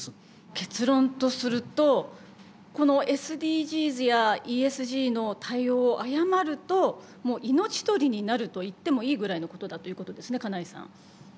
結論とするとこのＳＤＧｓやＥＳＧの対応を誤ると命取りになると言ってもいいぐらいのことだということですね金井さん。